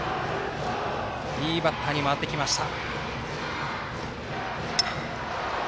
いいバッターに回ってきました。